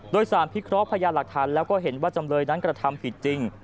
โดยสารพิเคราะห์พยานหลักฐานแล้วก็เห็นว่าจำเลยนั้นกระทำผิดจริง